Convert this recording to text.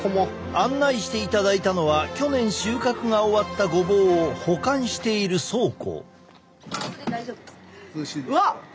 案内していただいたのは去年収穫が終わったごぼうを保管している倉庫。